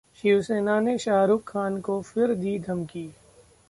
शिवसेना ने शाहरुख खान को फिर दी धमकी